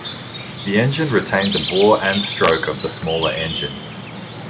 The engine retained the bore and stroke of the smaller engine.